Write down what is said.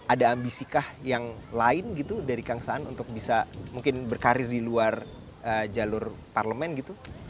ada ambisi kah yang lain gitu dari kang saan untuk bisa mungkin berkarir di luar jalur parlemen gitu